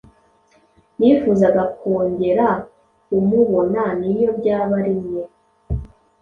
Yifuzaga kongera kumubona niyo byaba rimwe.